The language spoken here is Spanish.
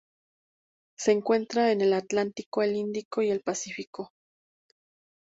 Se encuentra en el Atlántico el Índico y el Pacífico.